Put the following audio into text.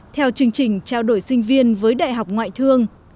theo chương trình trao đổi sinh viên với đại học ngoại thương